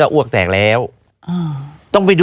สุดท้ายสุดท้าย